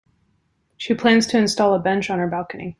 She plans to install a bench on her balcony.